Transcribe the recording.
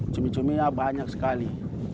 cumi cumi banyak sekali